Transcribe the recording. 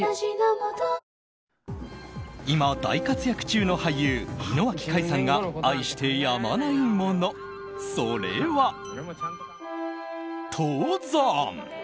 今、大活躍中の俳優・井之脇海さんが愛してやまないものそれは、登山。